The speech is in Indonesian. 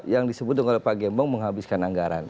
yang disebut dengan pak gembong menghabiskan anggaran